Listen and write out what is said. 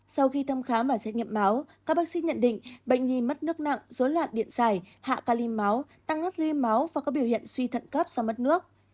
sau khi thăm khám và xét nghiệm máu các bác sĩ nhận định bệnh nhi mất nước nặng dấu loạn điện xảy hạ ca li máu tăng nát ri máu và có biểu hiện suy thận cấp sau mất nước